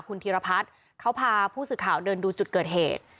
คุณธีรพัฒน์เขาพาผู้สื่อข่าวเดินดูจุดเกิดเหตุ